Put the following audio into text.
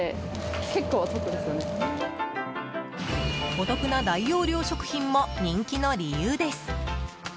お得な大容量食品も人気の理由です。